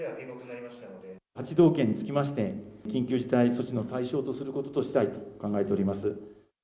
８道県につきまして、緊急事態措置の対象とすることとしたいと考えております。